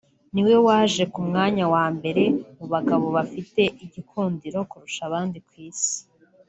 niwe waje ku mwanya wa mbere mu bagabo bafite igikundiro kurusha abandi ku isi